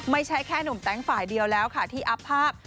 ไม่ใช่แค่หนุ่มแต๊งฝ่ายเดียวแล้วค่ะที่อัพภาพ